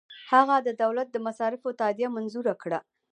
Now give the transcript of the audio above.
هغه د دولت د مصارفو تادیه منظوره کوي.